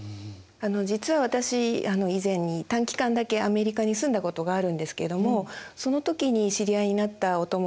実は私以前に短期間だけアメリカに住んだことがあるんですけどもその時に知り合いになったお友だちが実はホームレスで。